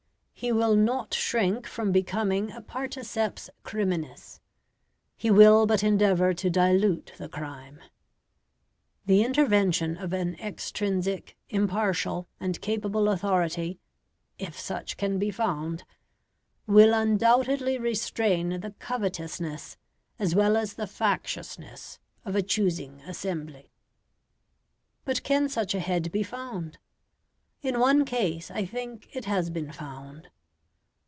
He will not shrink from becoming a particeps criminis; he will but endeavour to dilute the crime. The intervention of an extrinsic, impartial, and capable authority if such can be found will undoubtedly restrain the covetousness as well as the factiousness of a choosing assembly. But can such a head be found? In one case I think it has been found.